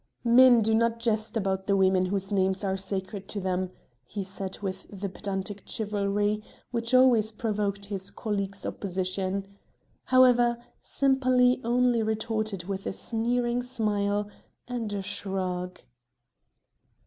"Men do not jest about the women whose names are sacred to them," he said with the pedantic chivalry, which always provoked his colleague's opposition. However, Sempaly only retorted with a sneering smile and a shrug.